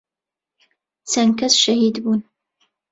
چەند کەس شەهید بوون